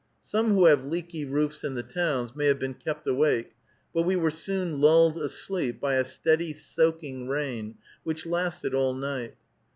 Some who have leaky roofs in the towns may have been kept awake, but we were soon lulled asleep by a steady, soaking rain, which lasted all night.